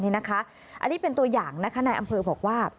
อันนี้เป็นตัวอย่างนะคะนายอำเภอบอกว่า